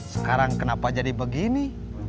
sekarang kenapa jadi begini